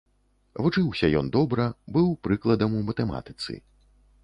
Вучыўся ён добра, быў прыкладам у матэматыцы.